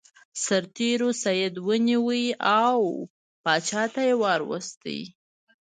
سرتیرو سید ونیو او پاچا ته یې ور وست.